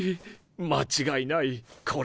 間違いないこれは。